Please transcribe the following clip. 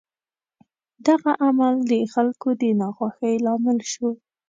دغه عمل د خلکو د ناخوښۍ لامل شو.